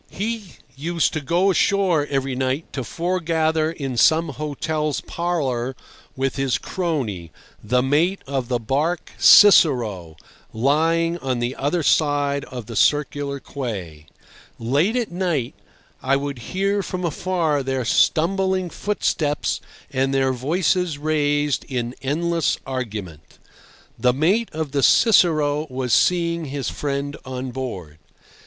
He used to go ashore every night to foregather in some hotel's parlour with his crony, the mate of the barque Cicero, lying on the other side of the Circular Quay. Late at night I would hear from afar their stumbling footsteps and their voices raised in endless argument. The mate of the Cicero was seeing his friend on board.